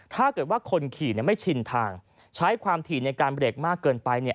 ถ้าเกิดว่าคนขี่ไม่ชินทางใช้ความถี่ในการเบรกมากเกินไปเนี่ย